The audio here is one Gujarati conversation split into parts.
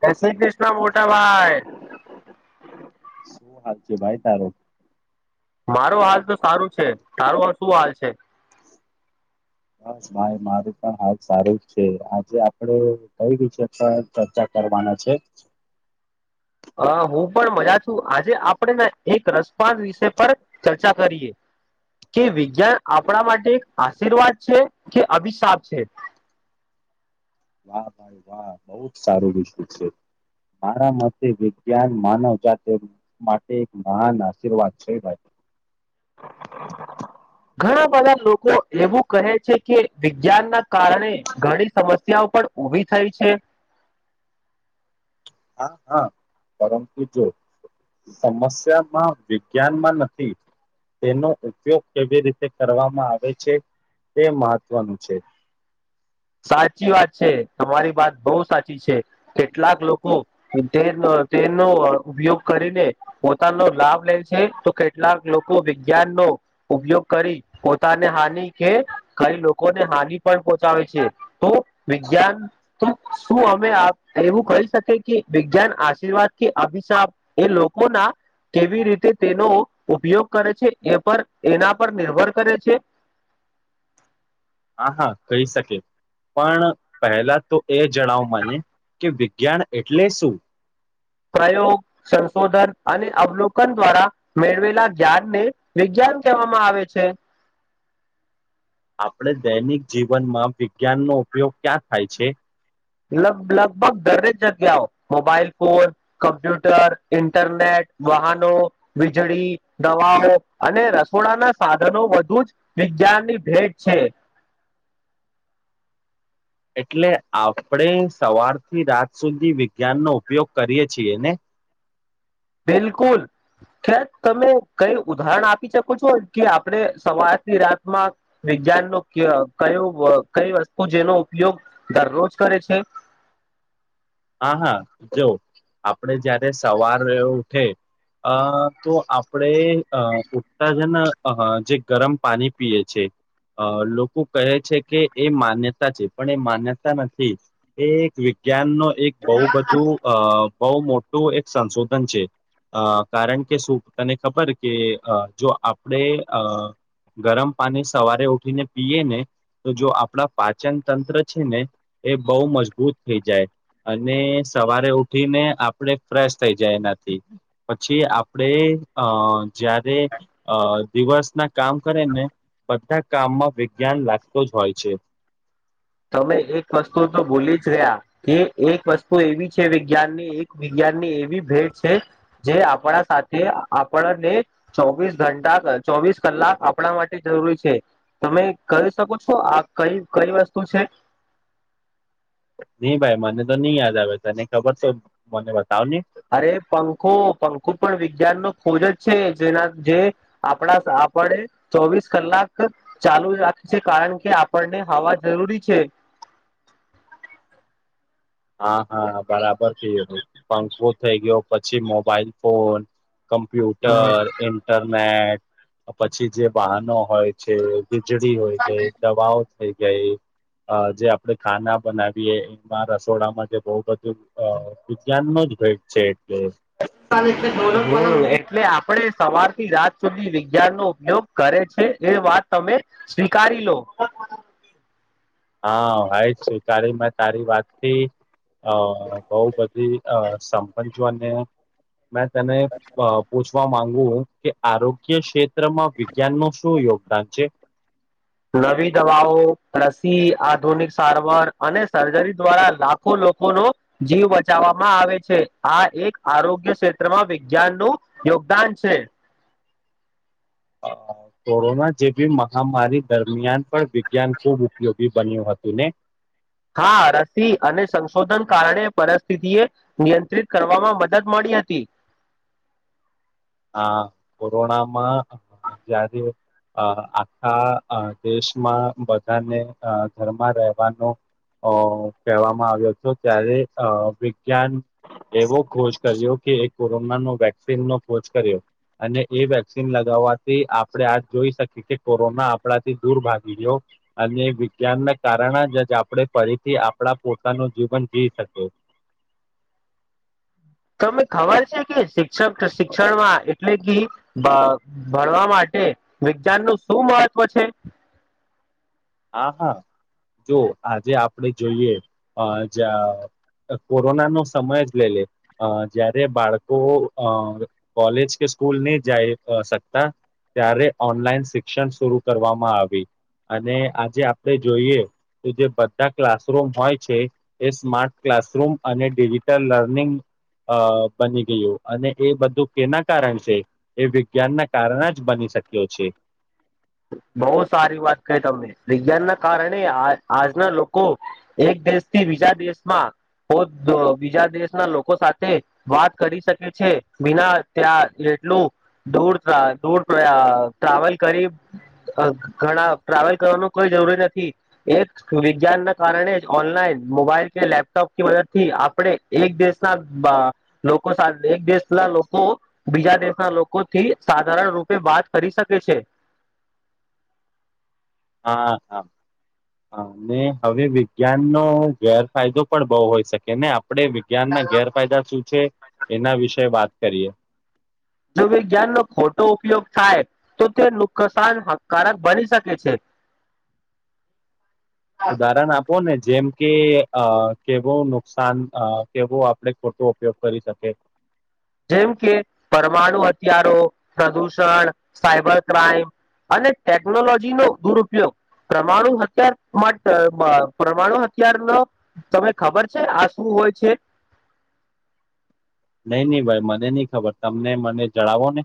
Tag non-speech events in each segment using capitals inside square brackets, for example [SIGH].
ક શ્રી કૃષ્ણ મોટા ભાઈ શું હાલ છે ભાઈ તારો મારો હાલ તો સારું છે તારું શું હાલ છે બસ માય માર પણ હાલ સારું જ છે આજે આપડે કઈ વિષ પણ ચર્ચા કર છે હ હું પણ મજા છું આજે આપણેે એક રસપડ વિષ પર ચર્ચા કરીએ કે વિજ્ઞાન આપણા માટે આશીર્વાદ છે કે અભિશાપ છે [INAUDIBLE] વાહ ભાઈ વાહ બહુ જ સારું વિશું છે મારા મતે વિજ્ઞાન માનવ જાત માટે એક મહાન આશીર્વાદ છેાઈ હ [INAUDIBLE] ઘણા બધા લોકો એવું કહે છે કે વિજ્ઞાન ના કારણે ઘણી સમસ્યાઓ પણ ઉભી થાય છે હા હા પરમ ત જો સમસ્યામાં વિજ્ઞાનમાં નથી તેનો ઉપયોગ કેવી રીતે કરવામાં આવે છે તે મહત્વનું છે સાચી વાત છે તમારી વાત બહુ સાચી છે કેટલાક લોકો ઉતે તેનોો ઉપયોગ કરીને પોતાનો લાભ લે છે તો કેટલાક લોકો વિજ્ઞાન નો ઉપયોગ કરી પોતાને હાનિ કે ખઈ લોકોને હાનિ પણ પહોંચાવે છે તો વિજ્ઞાન તો શું અમે એવું કહી શકી કે વિજ્ઞાન આશીર્વાદ વા કે અભિશાપ એ લોકો ના કેવી રીતે તેનો ઉપયોગ કરે છે એ પર એના પર નિર્ભર કરે છે [INAUDIBLE] હા હા કહી શકે પણ પહેલા તો એ જણાવ માને કે જ્ઞાન એટલે શું પ્રયોગ સંશોધન અને અવલોકન દ્વારા મેળવેલા જ્્યાાનને વિજ્ઞાન કેમ કવામાં આવે છે આપણે દૈનિક જીવનમાં વિજ્ઞાનનોો ઉપયોગ ક્યાં થાય છે લગભગ દરેક જગ્યાઓ મોબાઈલ ફોન કમ્પ્યુટર ઇન્ટરનેટ વાહનો વીજળી દવાઓ અને રસોડા ના સાધનો વધુ જ વિજ્ઞાનની ભેટ છે એટલે આપણે સવારથી રાત સુધી વિજ્ઞાનનોો ઉપયોગ કરીએ છીએ ને બિલકુલ ખેર તમે કઈ ઉદાહરણ આપી શકો છો કે આપણે સવારથી રાતમાં જ્ઞાન ન કયોું કઈ વસ્તુ જેનો ઉપયોગ દરરોજ કરે છે [INAUDIBLE] હા હા જો આપડે જયારે સવાર ઉઠે અ તો આપણે અ ઉત્તાજન જે ગરમ પાણી પીએ છે અ લોકો કહે છે કે એ માન્યતા છે પણ એ માન્યતા નથી એ એક જ્ઞાન નું એક બહુ બધું અ બહુ મોટું એક સંશોધન છે અ કારણ કે શું તને ખબર કે જો આપણે અ ગરમ પાણી સવારે ઉઠીને પીએ ને તો જો આપણા પાચન તંત્ર છે ને એ બહુ મજબૂત થઈ જાય અને સવારે ઉઠીને આપણે ફ્રેશ થઈ જાય એનાથી પછી આપણેે અ જયારે અ દિવસ ના કામ કરેને બધા કામમાં વિજ્ઞાન લાગતોું જ હોય છે તમે એક વસ્તુ તો ભૂલી જ ગયા કે એક વસ્તુ એવી છે વિજ્ઞાન ની એક વિજ્ાન ની એવી ભેટ છે જે આપણા સાથે આપણને ચોવીસ ઘંટા ચોવીસ કલાક આપણા માટે જરૂરી છે તમે કહી શકો છો આ ક કઈ વસ્તુ તો છે નહી ભાઈ મને તો નહી યાદ આવે તને ખબર તો મને બતાવ નને અરે પંખો પંખો પણ વિજ્ઞાનનો ખોજ જ છે જેના જે આપણા આપણે ચોવીસ કલાક ચાલુ રાખી છે કારણ કે આપણને હવા જરૂરી છે [INAUDIBLE] હા હા બરાબર થઈ ગયું પંખું થઈ ગયો પછી મોબાઈલ ફોન કમ્પ્યુટર ઇન્ટરનેટ પછી જે વાહનો હોય છે વીજળી હોય ગઈ દવાઓ થઈ ગઈ જે આપડણે ખાના બનાવીયએ એમાં ર ડામાં જે બહુ બધું વિજ્ઞાન નો જ ભેટ છે એટલે હ એટલે આપણે સવાર થી રાત સુધી વિજ્ઞાન નો ઉપયોગ કરે છે એ વાત તમે સ્વીકારી લો હા ભાઈ સ્વીકારી મેં તારી વાતથી અ બહુ બધી સમભજો અને મેં તેને પૂછવા માંગ કે આરોગ્ય ક્ષેત્રમાં વિજ્ઞાન નું શું યોગદાન છે નવી દવાઓ રસી આધુનિક સારવાર અને સર્જરી દ્વારા લાખો લોકો નો જીવ બચાવવામાં આવે છે આ એક આરોગ્ય ક્ષેત્રમાં વિજ્ઞાન નું યોગદાન છે અ [INAUDIBLE] કોરોના જેવી મહામારી દરમિયાન પણ વિજ્ઞાન ખુબ ઉપયોગી બન્યું હતું ને હા રસી અને સંશોધન કારણે પરિસ્થિતિ એ નિયંત્રિત કરવામાં મદદ મળી હતી હા કોરોનામાં જયારે અ આખા દેશમાં બધાને ઘરમાં રહેવાનું અ કહેવામાં આવ્યો હતો ત્યારે અ વિજ્ઞાન એવો ખોષ કર્યો કે કોરોના નો વેક્સિન નો ખોજ કર્યો અને એ વેક્સિન લગાવવાથી આપડણે આ જોઈ શકીએ કે કોરોના આપણાથી દૂર ભાગી ગ્યો અને વિજ્ઞાનના કારણે જ જ આપણે ફરીથી આપણા પોતાનું જીવન જી શકીએ હમ તમે ખબર છે કે શિક્ષક શિક્ષણમાં એટલે કે ભણવા માટે એ વિજ્ઞાન નું શું મહત્વ છે હા હા જો આજે આપણે જોઈએ અ જ કોરોના નો સમય જ લઈ લે જયારે બાળકો અ કોલેજ કે સ્કૂલ નહી જાય શકતા ત્યારે ઓનલાઈન શિક્ષણ શરૂુ કરવામાં આવી અને આજે આપણે જોઈએ તો જે બધા ક્લાસરૂમ હોય છે એ સ્માર્ટ ક્લાસરૂમ અને અને ડિજિટલ લર્નિંગ અ બની ગયું અને એ બધું કેના કારણ છે એ વિજ્ઞાનના કારણે જ બની શક્યો છે [INAUDIBLE] બહુ સારી વાત ક તમે વિજ્ઞાન ના કારણે આજના લોકો એક દેશથી બીજા દિવેશમાં બીજા દેશના લોકો સાથે વાત કરી શકે છે બના ત્યાં એટલું દુર થાય દૂર થયા ટ્રાવેલ કરી અ ઘણા ટ્રાવેલ કરવાનું કોઈ જરૂરી નથી એક વિજ્ઞાન ના કારણે જ ઓનલાઈન મોબાઈલ કે લેપટોપ મદદથી આપડણે એક દેશના અ લોકો એક દેશના લોકો બીજા દેશના લોકોથી સાધારણ રૂપે વાત કરી શકે છે. હા-હા. હા મે હવે વિજ્ઞાન નો ગેરફાયદો પણ બહુ હોય શકે ને. આપણે વિજ્ઞાનના ગેરફાયદા શું છે એના વિશે વાત કરીએ. જો વિજ્ઞાન નો ખોટો ઉપયોગ થાય તો તે નુક્કસાન હકારક બની શકે છે. [INAUDIBLE] ઉદાહરણ આપો ને જેમ કે અ કેવું નુકસાન કેવું આપણે ખોટું ઉપયોગ કરી શકીએ. જેમ કે પરમાણુ હથિયારો પ્રદૂષણ સાયબર ક્રાઈમ અને ટેકનોલોજી નો દુર ઉપયોગ પરમાણુ હથિયાર માટે પરમાણુ હથિયાર નો તમે ખબર છે આ શું હોય છે. નઈ નહી ભાઈ મને નહિ ખબર તમને મને જણાવો ને.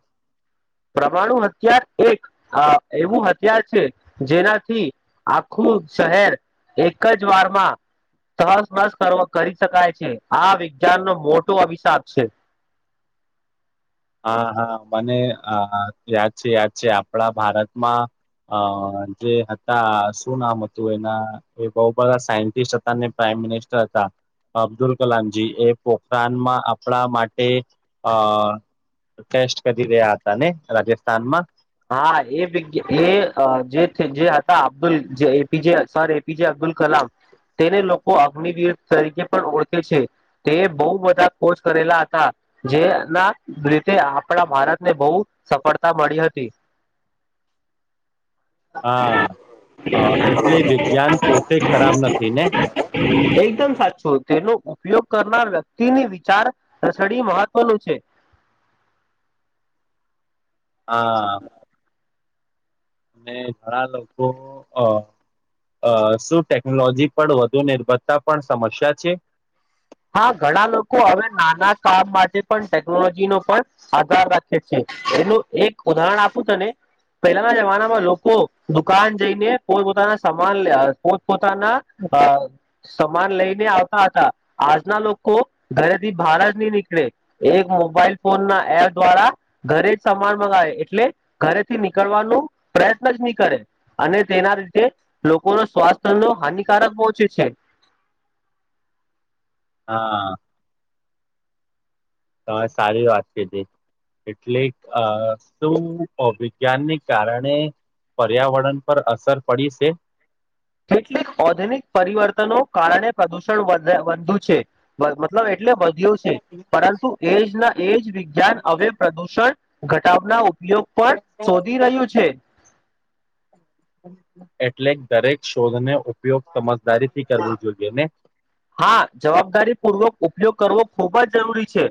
પરમાણુ હત્યાર એક એવું હથ્યાર છે જેનાથી આખું શહેર એક જ વારમાં તહસ બસ કરી શકાય છે આ વિજ્ઞાનનો મોટો અભિશાપ છે. [INAUDIBLE] હા હા મને યાદ છે યાદ છે આપણા ભારતમાં અ જે હતા શું નામ હતું એના એ બહુ બધા સાયન્ટિસ્ટ હતા ને પ્રા મિનિસ્ટર હતા. અબ્દુલ કલામજી એ પોખરાણમાં આપણા માટે અ ટેસ્ટ કરી રહ્યા હતા ને રાજસ્થાન માં હા એ વિજ્ઞાન એ જે હતા અબ્દુલ જે એપીજે સર એપીજ અબ અબ્દુલ કલામ તેને લોકો અગ્નિવીર તરીકે પણ ઓળખે છે તે બહુ બધા કોર્સ કરેલા હતા. જે ના રીતે આપણા ભારતને બહુ સફળતા મળી હતી. તી. હા એટલે વિજ્ઞાન પોતે ખરાબ નથી ને. એકદમ સાચું તેનો ઉપયોગ કરનાર વ્યક્તિની વિચાર સરણી મહત્વનું છે. [INAUDIBLE] હા. અને ઘણા લોકો અ અ શું ટેકનોલોજી પર વધુ નિર્ભરતા પણ સમસ્યા છે. હા ઘણા લોકો હવે નાના કામ માટે પણ ટેકનોલોજી નો પણ આધાર રાખે છે. એનું એક ઉદાહરણ આપું તને પહેલાના જમાનામાં લોકો દુકાન જઈને પોતપોતાના સામાન લ પોતપોતાના અ સમાન લઈને આવતા હતા આજના લોકો ઘરેથી બહાર જ નહી નીકળે એક મોબાઈલ ફોન ના એપ દ્વારા ઘરે જ સામાન મંગાવ એટલે ઘરેથી નીકળવાનો પ્રયત્ન જ નહી કરે અને તેના લીધે લોકોનો સ્વાસ્થ નો હાનિકારક પહોચે છે. [INAUDIBLE] હા. તમારે સારી વાત કીધી. એટલે આ શું અભિજ્ઞાનને કારણે પર્યાવરણ પર અસર પડી છે. કેટલીક ઓધનિક પરિવર્તનો કારણે પ્રદુષણ વધ વધુ છે મતલબ એટલે વધુ છે પરંતુ એજ ના એ જ વિજ્ઞાન હવે પ્રદૂષણ ઘટાવના ઉપર ઉપયોગ પણ શોધી રહ્યું છે એટલે દરેક શોધને ઉપયોગ સમજદારી થી કરવું જોઈએ ને હા જવાબદારી પૂર્વક ઉપયોગ કરવો ખૂબ જ જરૂરી છે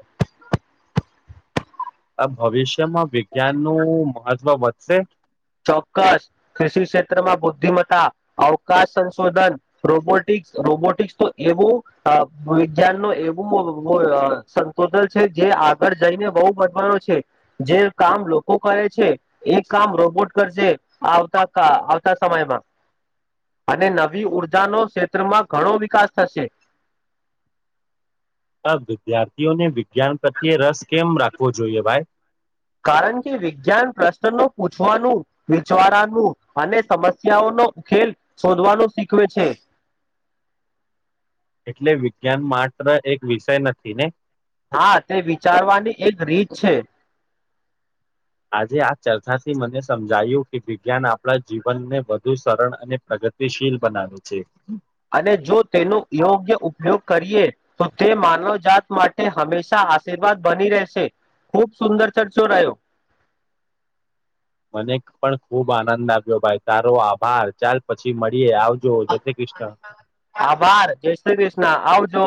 આ ભવિષ્યમાં વિજ્ઞાન નું મહત્વ વધશે ચોક્કસ કૃષિ ક્ષેત્રમાં બુદ્ધિમત્તા અવકાશ સંશોધન રોબોટિક રોબોટિક્સ તો એવું વિજ્ઞાન નો એવું સંશોધન છે આગળ જઈને બહુ બવાનો છે જે કામ લોકો કરે છે એ કામ રોબોટ કરજ આવતા આવતા સમયમાં અને નવી ઉર્જાનો ક્ષેત્રમાં ઘણો વિકાસ થશે [UNINTELLIGIBLE] આ વિદ્યાર્થીઓને વિજ્ઞાન પ્રત્યે રસ કેમ રાખવો જોઈએ ભાઈ કારણ કે વિજ્ઞાન પ્રશ્ન નું પૂછવાનું વિચારવાનું અને સમસ્યાઓનું નો ખેલ શોધવાનું શીખવે છે એટલે વિજ્ઞાન માત્ર એક વિષય નથી ને હા તે વિચારવાની એક રીત છે આજે આ ચર્ચાથી મને સમજાયું કે વિજ્ઞાન આપણા જીવનને વધુ સરળ અને પ્રગ ગતિશીલ બનાવે છે અને જો તેનો યોગ્ય ઉપયોગ કરીએ તો તે માનવ જાાત માટે હંમેશા આશીર્વાદ બની રહેશે ખૂબ સુંદર ચર્ચો રહ્યો મને પણ ખુબ આનંદ આવ્યો ભાઈ તારો આભાર ચાલ પછી મળીએ આવજો જય શ્રી કૃષ્ણ આભાર જય શ્રી કૃષ્ણ આવજો